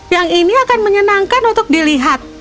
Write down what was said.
yang ini akan menyenangkan untuk dilihat